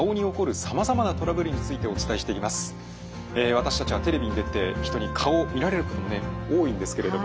私たちはテレビに出て人に顔を見られることもね多いんですけれども。